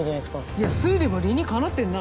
いや推理も理にかなってんな。